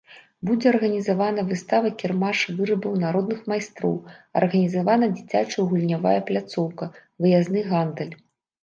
Будзе арганізавана выстава-кірмаш вырабаў народных майстроў, арганізавана дзіцячая гульнявая пляцоўка, выязны гандаль.